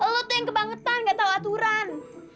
lo tuh yang kebangetan nggak tau aturan